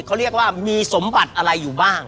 เขาเรียกว่ามีสมบัติอะไรอยู่บ้าง